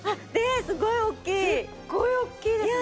すっごい大きいですね！